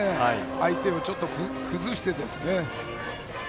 相手をちょっと崩して。